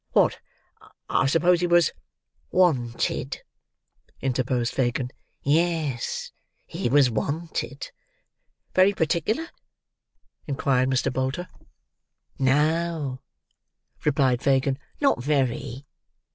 "What, I suppose he was—" "Wanted," interposed Fagin. "Yes, he was wanted." "Very particular?" inquired Mr. Bolter. "No," replied Fagin, "not very.